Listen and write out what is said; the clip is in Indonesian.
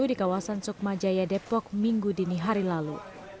di kawasan sukma jaya depok minggu dini hari lalu